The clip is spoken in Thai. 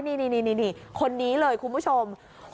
นี่คนนี้เลยคุณผู้ชม